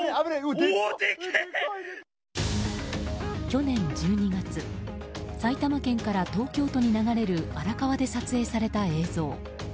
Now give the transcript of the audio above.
去年１２月埼玉県から東京都に流れる荒川で撮影された映像。